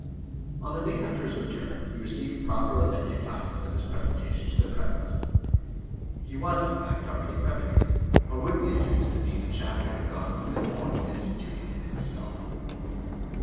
On the day after his return he received proper authentic tidings of his presentation to the prebend. He was, in fact, already prebendary, or would be as soon as the dean and chapter had gone through the form of instituting him in his stall.